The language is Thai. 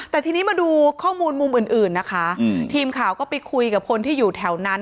แต่ทีนี้มาดูข้อมูลมุมอื่นนะคะทีมข่าวก็ไปคุยกับคนที่อยู่แถวนั้น